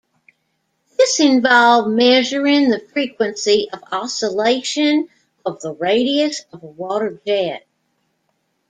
This involved measuring the frequency of oscillation of the radius of a water jet.